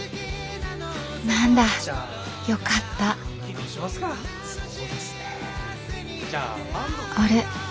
何だよかったあれ？